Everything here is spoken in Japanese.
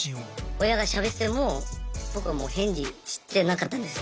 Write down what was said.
親がしゃべっても僕はもう返事してなかったんですよ。